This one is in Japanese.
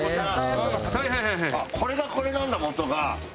これがこれなんだもとが。